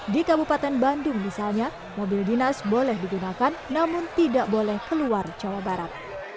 di kabupaten bandung misalnya mobil dinas boleh digunakan namun tidak boleh keluar jawa barat